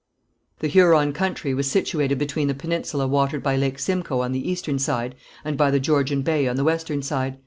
The Huron country was situated between the peninsula watered by Lake Simcoe on the eastern side, and by the Georgian Bay on the western side.